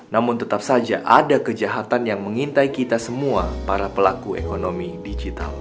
namun tetap saja ada kejahatan yang mengintai kita semua para pelaku ekonomi digital